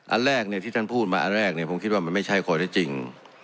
อันแรกที่ท่านพูดมาอันแรกผมคิดว่ามันไม่ใช่ข้อได้จริง